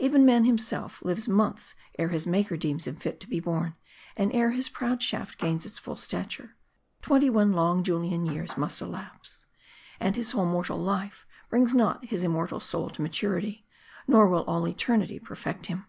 Even man himself lives months ere his Maker deems him fit to be born ; and ere his proud shaft gains its full stature, twenty one long Julian years must elapse. And his whole mortal life brings not his immortal soul to maturity ; nor will all eternity perfect him.